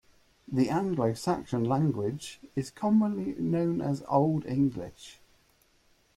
The Anglo-Saxon language is commonly known as Old English.